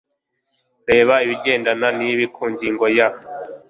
Reba ibigendana nibi ku ngingo ya